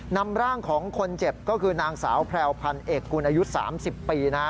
นำร่างของคนเจ็บก็คือนางสาวแพรวพันธ์เอกกุลอายุ๓๐ปี